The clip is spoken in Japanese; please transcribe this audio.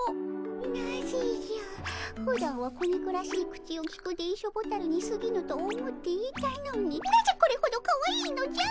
なぜじゃふだんは小憎らしい口をきく電書ボタルにすぎぬと思っていたのになぜこれほどかわいいのじゃ！